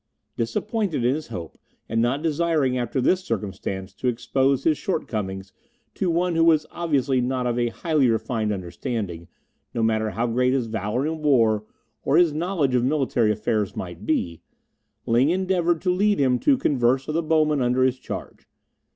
Disappointed in his hope, and not desiring after this circumstance to expose his shortcomings to one who was obviously not of a highly refined understanding, no matter how great his valour in war or his knowledge of military affairs might be, Ling endeavoured to lead him to converse of the bowmen under his charge.